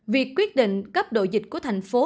việc quyết định cấp độ dịch của thành phố